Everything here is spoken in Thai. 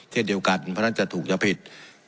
เช่นเดียวกันเพราะฉะนั้นจะถูกจะผิด